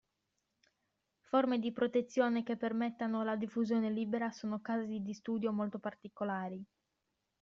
Forme di protezione che permettano la diffusione libera sono casi di studio molto particolari.